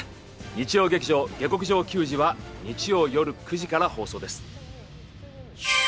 日曜劇場「下剋上球児」は日曜夜９時から放送です。